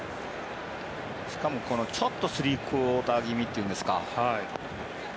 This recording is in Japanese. しかもちょっとスリークオーター気味というんですか。